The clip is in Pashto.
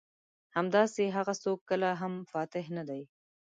همداسې هغه څوک کله هم فاتح نه دي.